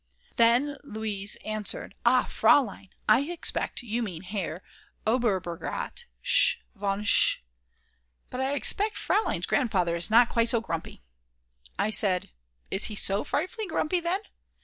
Then Luise answered: "Ah, Fraulein, I expect you mean Herr Oberbergrat Sch., von Sch. But I expect Fraulein's Grandfather is not quite so grumpy." I said: "Is he so frightfully grumpy then?"